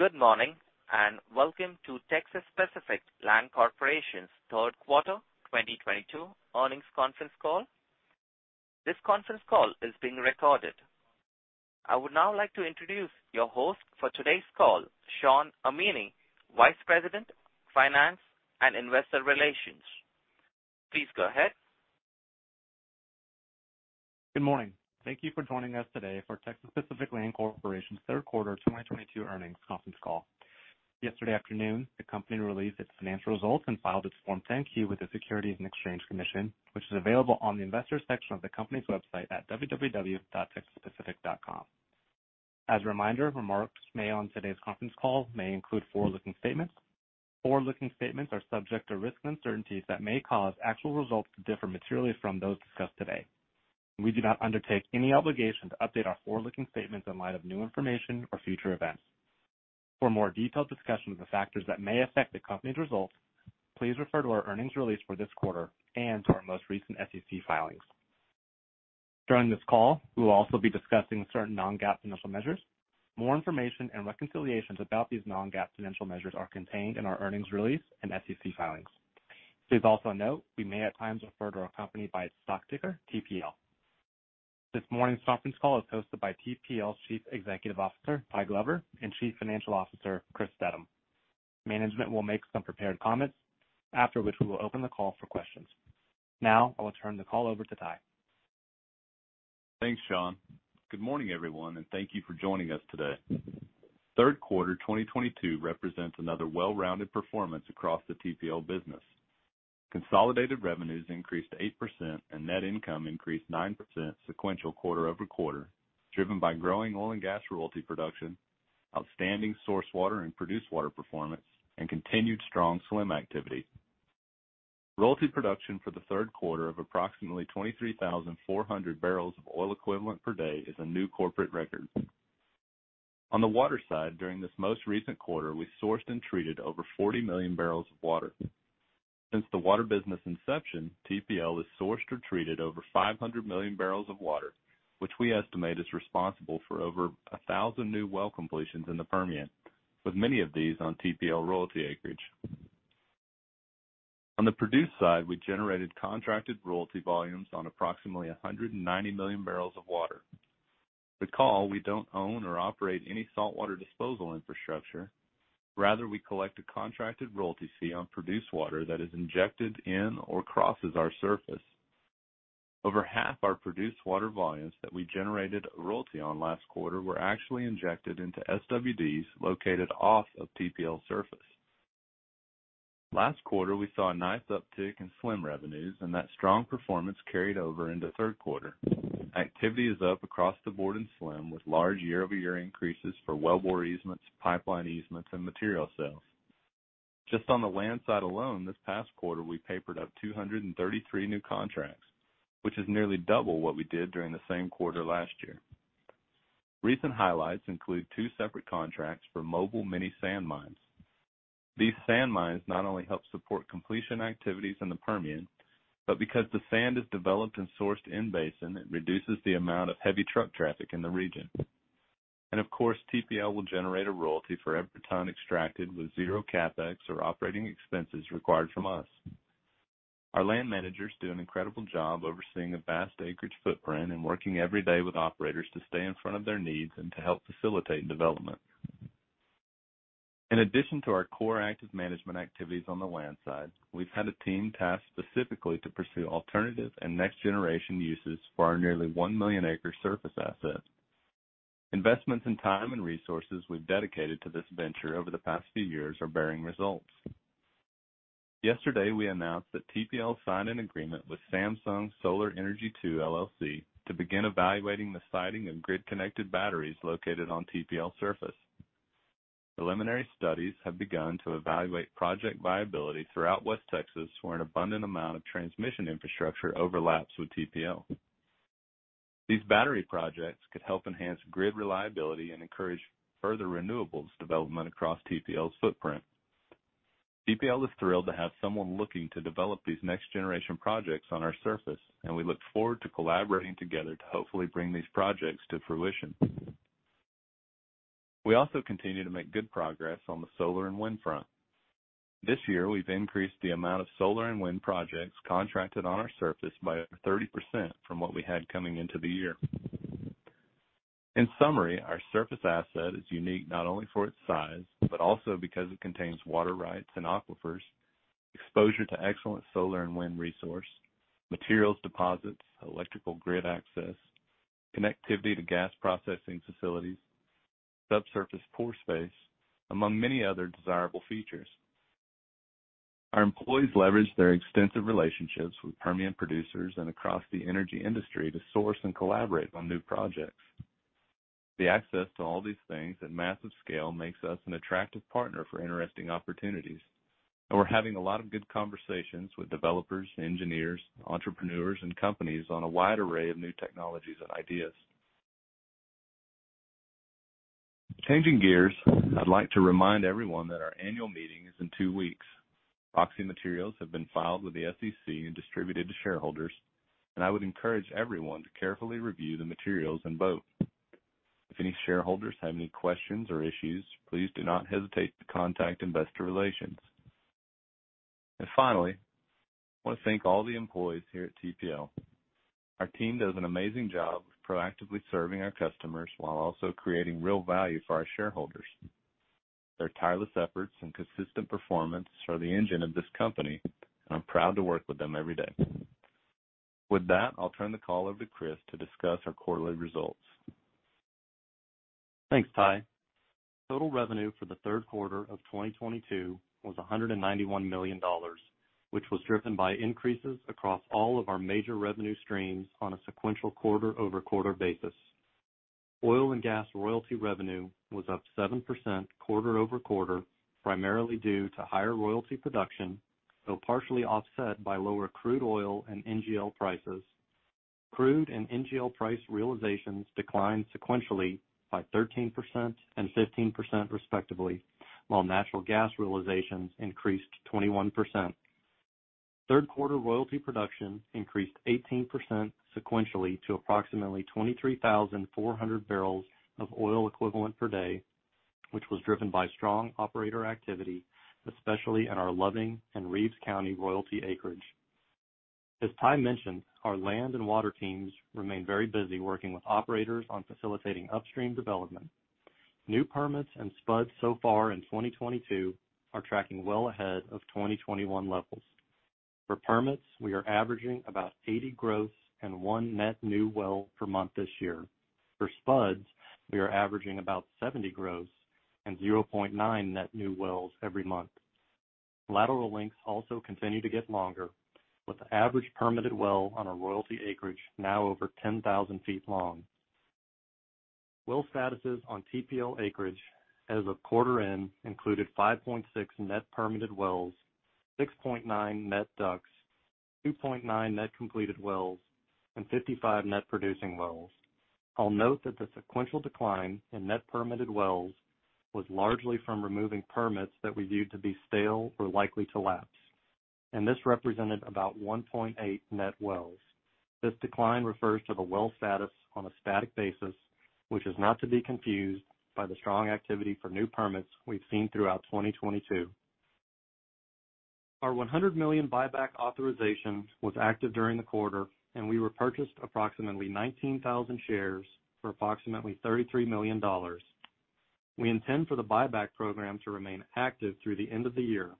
Good morning, and welcome to Texas Pacific Land Corporation's Third Quarter 2022 Earnings Conference Call. This conference call is being recorded. I would now like to introduce your host for today's call, Shawn Amini, Vice President, Finance and Investor Relations. Please go ahead. Good morning. Thank you for joining us today for Texas Pacific Land Corporation's third quarter 2022 earnings conference call. Yesterday afternoon, the company released its financial results and filed its Form 10-Q with the Securities and Exchange Commission, which is available on the investors section of the company's website at www.texaspacific.com. As a reminder, remarks made on today's conference call may include forward-looking statements. Forward-looking statements are subject to risks and uncertainties that may cause actual results to differ materially from those discussed today. We do not undertake any obligation to update our forward-looking statements in light of new information or future events. For more detailed discussion of the factors that may affect the company's results, please refer to our earnings release for this quarter and to our most recent SEC filings. During this call, we will also be discussing certain non-GAAP financial measures. More information and reconciliations about these non-GAAP financial measures are contained in our earnings release and SEC filings. Please also note we may at times refer to our company by its stock ticker, TPL. This morning's conference call is hosted by TPL's Chief Executive Officer, Tyler Glover, and Chief Financial Officer, Chris Steddum. Management will make some prepared comments, after which we will open the call for questions. Now I will turn the call over to Ty. Thanks, Shawn. Good morning, everyone, and thank you for joining us today. Third quarter 2022 represents another well-rounded performance across the TPL business. Consolidated revenues increased 8% and net income increased 9% sequential QoQ, driven by growing oil and gas royalty production, outstanding source water and produced water performance, and continued strong SLM activity. Royalty production for the third quarter of approximately 23,400 barrels of oil equivalent per day is a new corporate record. On the water side, during this most recent quarter, we sourced and treated over 40 million barrels of water. Since the water business inception, TPL has sourced or treated over 500 million barrels of water, which we estimate is responsible for over 1,000 new well completions in the Permian, with many of these on TPL royalty acreage. On the produced side, we generated contracted royalty volumes on approximately 190 million barrels of water. Recall, we don't own or operate any saltwater disposal infrastructure. Rather, we collect a contracted royalty fee on produced water that is injected in or crosses our surface. Over half our produced water volumes that we generated a royalty on last quarter were actually injected into SWDs located off of TPL surface. Last quarter, we saw a nice uptick in SLM revenues, and that strong performance carried over into third quarter. Activity is up across the board in SLM with large YoY increases for wellbore easements, pipeline easements, and material sales. Just on the land side alone, this past quarter we papered up 233 new contracts, which is nearly double what we did during the same quarter last year. Recent highlights include two separate contracts for mobile mini sand mines. These sand mines not only help support completion activities in the Permian, but because the sand is developed and sourced in-basin, it reduces the amount of heavy truck traffic in the region. Of course, TPL will generate a royalty for every ton extracted with zero CapEx or operating expenses required from us. Our land managers do an incredible job overseeing a vast acreage footprint and working every day with operators to stay in front of their needs and to help facilitate development. In addition to our core active management activities on the land side, we've had a team tasked specifically to pursue alternative and next-generation uses for our nearly one million acre surface asset. Investments and time and resources we've dedicated to this venture over the past few years are bearing results. Yesterday, we announced that TPL signed an agreement with Samson Solar Energy II LLC to begin evaluating the siting of grid-connected batteries located on TPL's surface. Preliminary studies have begun to evaluate project viability throughout West Texas, where an abundant amount of transmission infrastructure overlaps with TPL. These battery projects could help enhance grid reliability and encourage further renewables development across TPL's footprint. TPL is thrilled to have someone looking to develop these next-generation projects on our surface, and we look forward to collaborating together to hopefully bring these projects to fruition. We also continue to make good progress on the solar and wind front. This year, we've increased the amount of solar and wind projects contracted on our surface by over 30% from what we had coming into the year. In summary, our surface asset is unique not only for its size, but also because it contains water rights and aquifers, exposure to excellent solar and wind resource, materials deposits, electrical grid access, connectivity to gas processing facilities, subsurface pore space, among many other desirable features. Our employees leverage their extensive relationships with Permian producers and across the energy industry to source and collaborate on new projects. The access to all these things at massive scale makes us an attractive partner for interesting opportunities, and we're having a lot of good conversations with developers, engineers, entrepreneurs, and companies on a wide array of new technologies and ideas. Changing gears, I'd like to remind everyone that our annual meeting is in two weeks. Proxy materials have been filed with the SEC and distributed to shareholders, and I would encourage everyone to carefully review the materials and vote. If any shareholders have any questions or issues, please do not hesitate to contact Investor Relations. Finally, I want to thank all the employees here at TPL. Our team does an amazing job of proactively serving our customers while also creating real value for our shareholders. Their tireless efforts and consistent performance are the engine of this company, and I'm proud to work with them every day. With that, I'll turn the call over to Chris to discuss our quarterly results. Thanks, Ty. Total revenue for the third quarter of 2022 was $191 million, which was driven by increases across all of our major revenue streams on a sequential QoQ basis. Oil and gas royalty revenue was up 7% QoQ, primarily due to higher royalty production, though partially offset by lower crude oil and NGL prices. Crude and NGL price realizations declined sequentially by 13% and 15%, respectively, while natural gas realizations increased 21%. Third quarter royalty production increased 18% sequentially to approximately 23,400 barrels of oil equivalent per day, which was driven by strong operator activity, especially in our Loving and Reeves County royalty acreage. As Ty mentioned, our land and water teams remain very busy working with operators on facilitating upstream development. New permits and spuds so far in 2022 are tracking well ahead of 2021 levels. For permits, we are averaging about 80 gross and one net new well per month this year. For spuds, we are averaging about 70 gross and 0.9 net new wells every month. Lateral lengths also continue to get longer, with the average permitted well on a royalty acreage now over 10,000 feet long. Well statuses on TPL acreage as of quarter end included 5.6 net permitted wells, 6.9 net DUCs, 2.9 net completed wells, and 55 net producing wells. I'll note that the sequential decline in net permitted wells was largely from removing permits that we viewed to be stale or likely to lapse, and this represented about 1.8 net wells. This decline refers to the well status on a static basis, which is not to be confused by the strong activity for new permits we've seen throughout 2022. Our $100 million buyback authorization was active during the quarter, and we repurchased approximately 19,000 shares for approximately $33 million. We intend for the buyback program to remain active through the end of the year.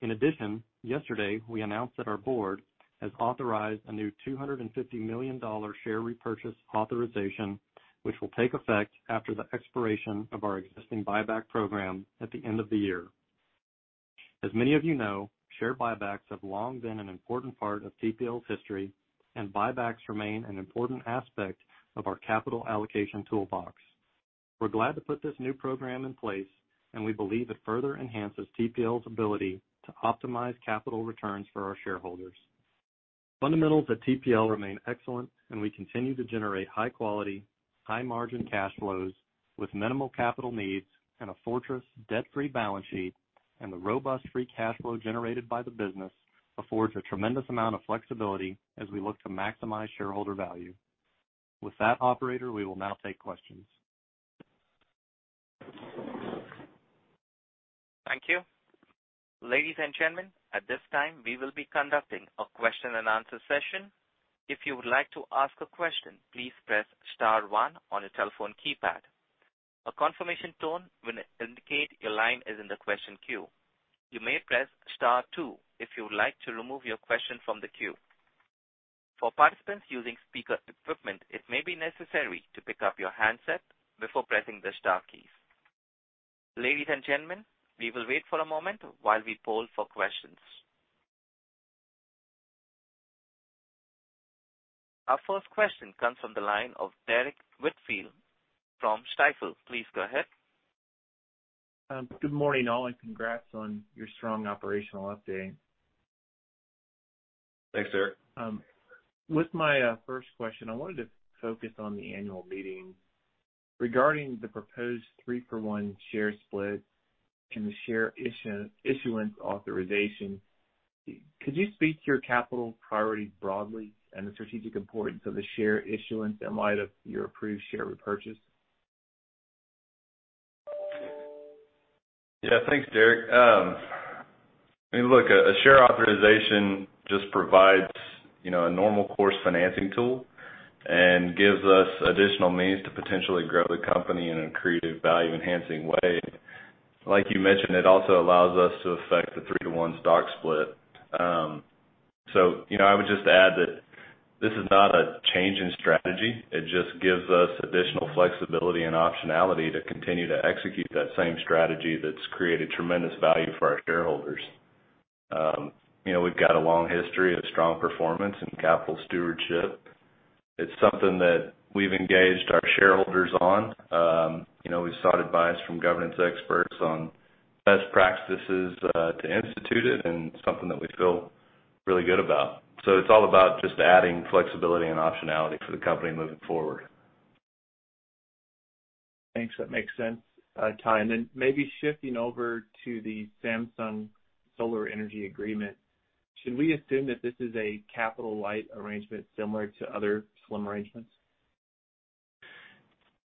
In addition, yesterday, we announced that our board has authorized a new $250 million share repurchase authorization, which will take effect after the expiration of our existing buyback program at the end of the year. As many of you know, share buybacks have long been an important part of TPL's history, and buybacks remain an important aspect of our capital allocation toolbox. We're glad to put this new program in place, and we believe it further enhances TPL's ability to optimize capital returns for our shareholders. Fundamentals at TPL remain excellent, and we continue to generate high quality, high margin cash flows with minimal capital needs and a fortress debt-free balance sheet. The robust free cash flow generated by the business affords a tremendous amount of flexibility as we look to maximize shareholder value. With that, operator, we will now take questions. Thank you. Ladies and gentlemen, at this time, we will be conducting a question-and-answer session. If you would like to ask a question, please press star one on your telephone keypad. A confirmation tone will indicate your line is in the question queue. You may press star two if you would like to remove your question from the queue. For participants using speaker equipment, it may be necessary to pick up your handset before pressing the star keys. Ladies and gentlemen, we will wait for a moment while we poll for questions. Our first question comes from the line of Derrick Whitfield from Stifel. Please go ahead. Good morning, all, and congrats on your strong operational update. Thanks, Derrick. With my first question, I wanted to focus on the annual meeting. Regarding the proposed three-for-one share split and the share issuance authorization, could you speak to your capital priorities broadly and the strategic importance of the share issuance in light of your approved share repurchase? Yeah. Thanks, Derrick. I mean, look, a share authorization just provides, you know, a normal course financing tool and gives us additional means to potentially grow the company in an accretive, value-enhancing way. Like you mentioned, it also allows us to effect the three-to-one stock split. You know, I would just add that this is not a change in strategy. It just gives us additional flexibility and optionality to continue to execute that same strategy that's created tremendous value for our shareholders. You know, we've got a long history of strong performance and capital stewardship. It's something that we've engaged our shareholders on. You know, we've sought advice from governance experts on best practices to institute it, and it's something that we feel really good about. It's all about just adding flexibility and optionality for the company moving forward. Thanks. That makes sense, Ty. Maybe shifting over to the Samson Solar Energy agreement, should we assume that this is a capital-light arrangement similar to other SLM arrangements?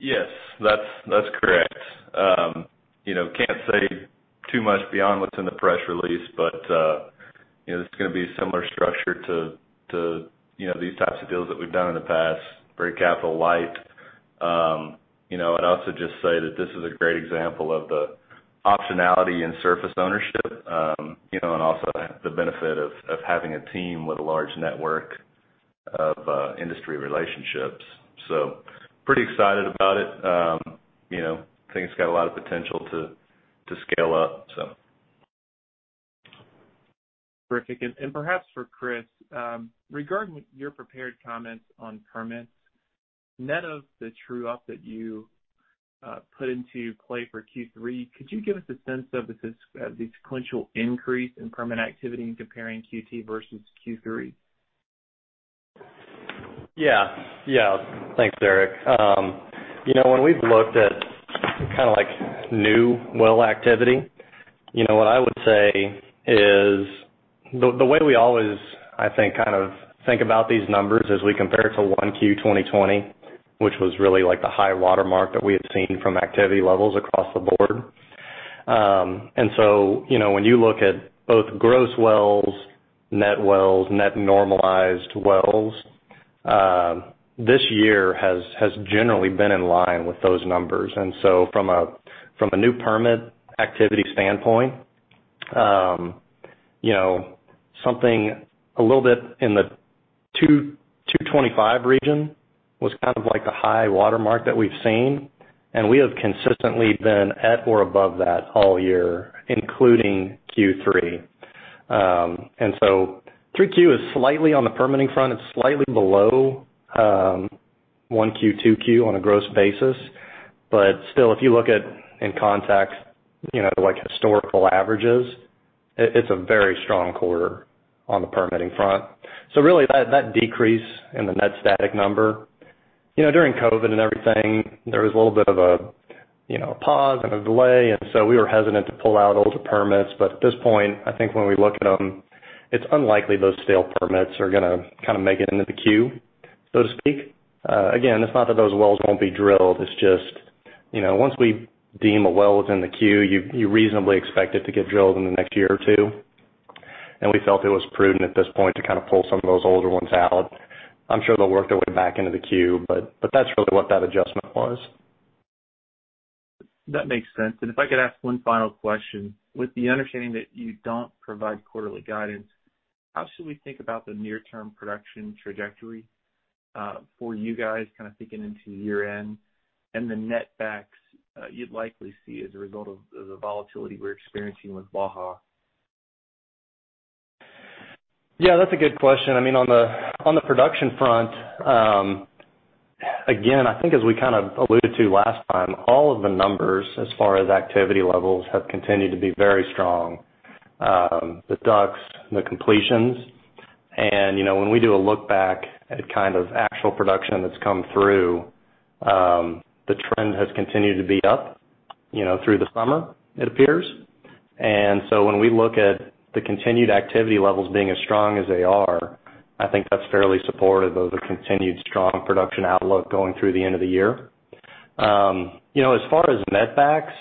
Yes, that's correct. You know, can't say too much beyond what's in the press release, but you know, this is gonna be a similar structure to you know, these types of deals that we've done in the past. Very capital light. You know, also just say that this is a great example of the optionality in surface ownership, you know, and also the benefit of having a team with a large network of industry relationships. Pretty excited about it. You know, think it's got a lot of potential to scale up, so. Great, thank you. Perhaps for Chris, regarding your prepared comments on permits, net of the true-up that you put into play for Q3, could you give us a sense of the sequential increase in permit activity comparing Q2 versus Q3? Yeah. Yeah. Thanks, Derrick. You know, when we've looked at kinda like new well activity, you know, what I would say is the way we always, I think, kind of think about these numbers is we compare it to Q1 2020, which was really like the high watermark that we had seen from activity levels across the board. You know, when you look at both gross wells, net wells, net normalized wells, this year has generally been in line with those numbers. From a new permit activity standpoint, you know, something a little bit in the 225 region was kind of like the high watermark that we've seen, and we have consistently been at or above that all year, including Q3. Q3 is slightly on the permitting front. It's slightly below Q1, Q2 on a gross basis. Still, if you look at in context, you know, like historical averages, it's a very strong quarter on the permitting front. Really that decrease in the net static number, you know, during COVID and everything, there was a little bit of a you know, a pause and a delay, and so we were hesitant to pull out older permits. At this point, I think when we look at them, it's unlikely those stale permits are gonna kinda make it into the queue, so to speak. Again, it's not that those wells won't be drilled, it's just, you know, once we deem a well within the queue, you reasonably expect it to get drilled in the next year or two. We felt it was prudent at this point to kind of pull some of those older ones out. I'm sure they'll work their way back into the queue, but that's really what that adjustment was. That makes sense. If I could ask one final question. With the understanding that you don't provide quarterly guidance, how should we think about the near-term production trajectory for you guys kind of thinking into year-end and the net backs you'd likely see as a result of the volatility we're experiencing with Waha? Yeah, that's a good question. I mean, on the production front, again, I think as we kind of alluded to last time, all of the numbers as far as activity levels have continued to be very strong, the DUCs, the completions. You know, when we do a look back at kind of actual production that's come through, the trend has continued to be up, you know, through the summer, it appears. When we look at the continued activity levels being as strong as they are, I think that's fairly supportive of a continued strong production outlook going through the end of the year. You know, as far as netbacks,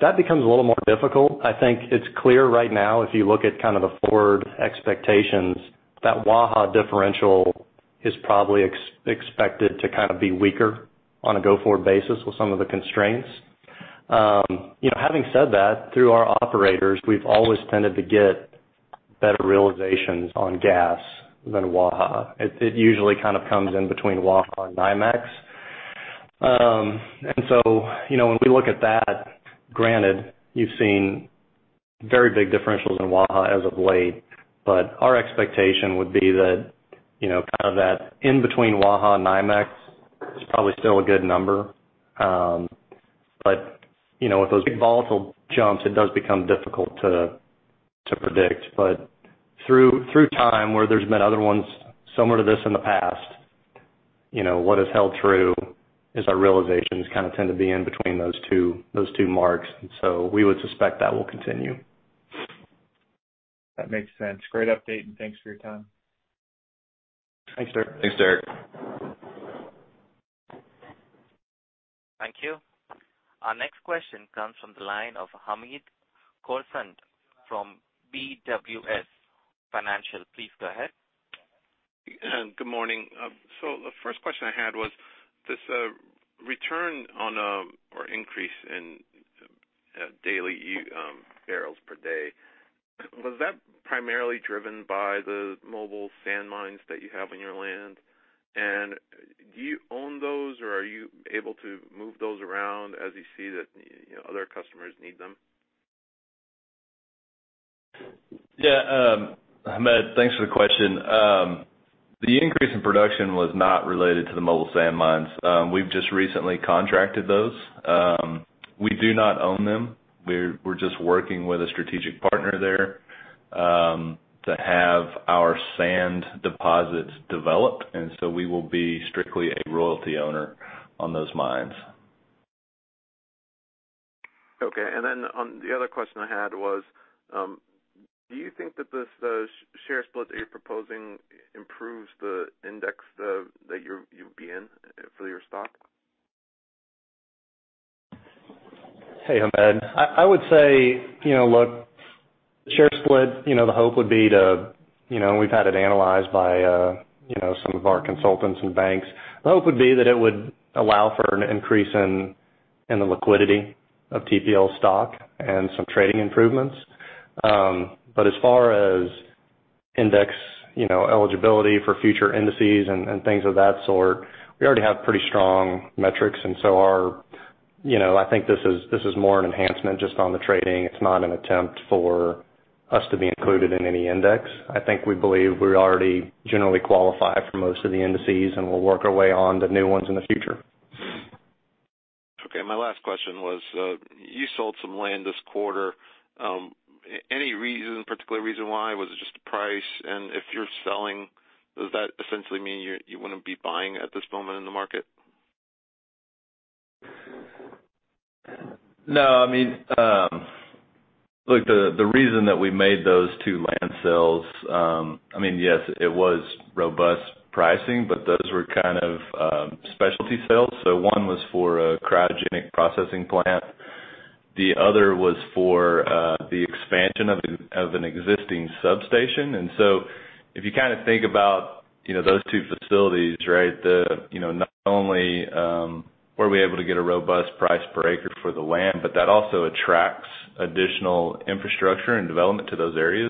that becomes a little more difficult. I think it's clear right now, if you look at kind of the forward expectations, that Waha differential is probably expected to kind of be weaker on a go-forward basis with some of the constraints. You know, having said that, through our operators, we've always tended to get better realizations on gas than Waha. It usually kind of comes in between Waha and NYMEX. You know, when we look at that, granted, you've seen very big differentials in Waha as of late, but our expectation would be that, you know, kind of that in between Waha and NYMEX is probably still a good number. You know, with those big volatile jumps, it does become difficult to predict. Through time, where there's been other ones similar to this in the past, you know, what has held true is our realizations kinda tend to be in between those two marks, and so we would suspect that will continue. That makes sense. Great update, and thanks for your time. Thanks, Derrick. Thanks, Derrick. Thank you. Our next question comes from the line of Hamed Khorsand from BWS Financial. Please go ahead. Good morning. The first question I had was this, return on or increase in daily barrels per day, was that primarily driven by the mobile sand mines that you have on your land? Do you own those, or are you able to move those around as you see that, you know, other customers need them? Yeah. Hamed, thanks for the question. The increase in production was not related to the mobile sand mines. We've just recently contracted those. We do not own them. We're just working with a strategic partner there to have our sand deposits developed, and so we will be strictly a royalty owner on those mines. Okay. On the other question I had was, do you think that this, the share split that you're proposing improves the index that you're, you'll be in for your stock? Hey, Hamed. I would say, you know, look, share split, you know, the hope would be to, you know, we've had it analyzed by, you know, some of our consultants and banks. The hope would be that it would allow for an increase in the liquidity of TPL stock and some trading improvements. As far as index, you know, eligibility for future indices and things of that sort, we already have pretty strong metrics. You know, I think this is more an enhancement just on the trading. It's not an attempt for us to be included in any index. I think we believe we already generally qualify for most of the indices, and we'll work our way on to new ones in the future. Okay. My last question was, you sold some land this quarter. Any reason, particular reason why? Was it just the price? If you're selling, does that essentially mean you wouldn't be buying at this moment in the market? No. I mean, look, the reason that we made those two land sales, I mean, yes, it was robust pricing, but those were kind of specialty sales. One was for a cryogenic processing plant. The other was for the expansion of an existing substation. If you kinda think about, you know, those two facilities, right, you know, not only were we able to get a robust price per acre for the land, but that also attracts additional infrastructure and development to those areas.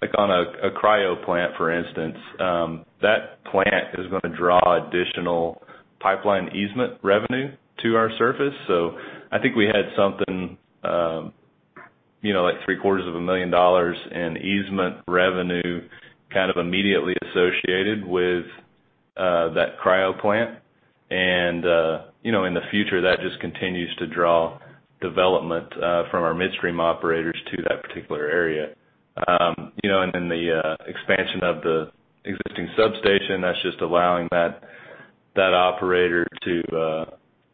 Like, on a cryo plant, for instance, that plant is gonna draw additional pipeline easement revenue to our surface. I think we had something, you know, like $750,000 in easement revenue kind of immediately associated with that cryo plant. You know, in the future, that just continues to draw development from our midstream operators to that particular area. You know, and then the expansion of the existing substation, that's just allowing that operator to,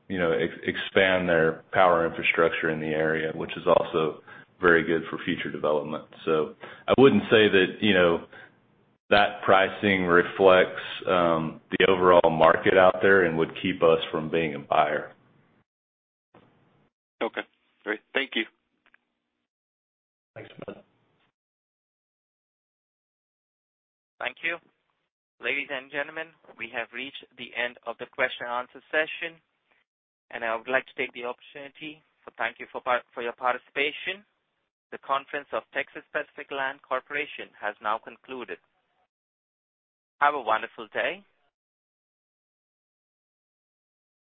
you know, expand their power infrastructure in the area, which is also very good for future development. I wouldn't say that, you know, that pricing reflects the overall market out there and would keep us from being a buyer. Okay, great. Thank you. Thanks. Thank you. Ladies and gentlemen, we have reached the end of the question and answer session, and I would like to take the opportunity to thank you for your participation. The conference of Texas Pacific Land Corporation has now concluded. Have a wonderful day.